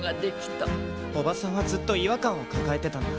おばさんはずっと違和感を抱えてたんだ。